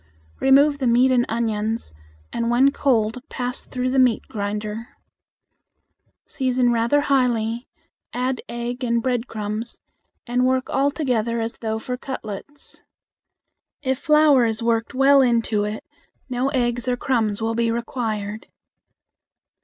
Remove the meat and onions, and when cold pass through the meat grinder. Season rather highly, add egg and breadcrumbs, and work all together as though for cutlets. If flour is worked well into it, no egg or crumbs will be required.